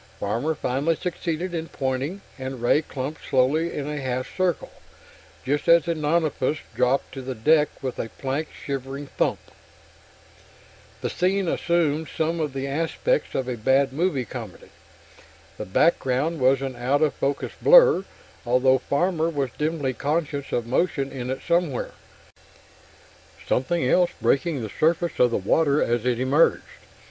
Farmer finally succeeded in pointing, and Ray clumped slowly in a half circle, just as the nonapus dropped to the deck with a plank shivering thump. The scene assumed some of the aspects of a bad movie comedy. The background was an out of focus blur, although Farmer was dimly conscious of motion in it somewhere something else breaking the surface of the water as it emerged.